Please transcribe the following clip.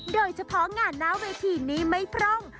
โดยเฉพาะงานหน้าเวทีนี้ไม่พร่อง